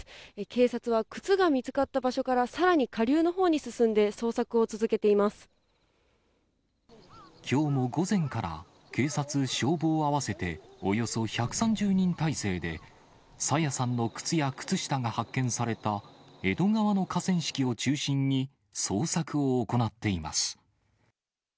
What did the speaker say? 警察は靴が見つかった場所から、さらに下流のほうに進んで、きょうも午前から、警察、消防合わせておよそ１３０人態勢で、朝芽さんの靴や靴下が発見された、江戸川の河川敷を中心に、捜索を行っています。